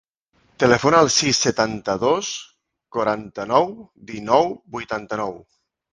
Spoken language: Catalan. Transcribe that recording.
Telefona al sis, setanta-dos, quaranta-nou, dinou, vuitanta-nou.